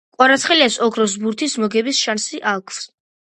Კვარაცხელიას ოქროს ბურთის მოგების შანსი აქვს!